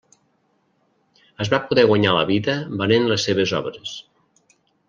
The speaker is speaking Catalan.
Es va poder guanyar la vida venent les seves obres.